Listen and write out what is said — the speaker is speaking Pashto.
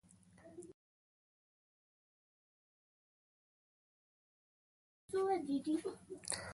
سمندر نه شتون د افغانستان د چاپیریال د مدیریت لپاره مهم دي.